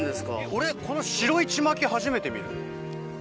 俺この白いちまき初めて見る。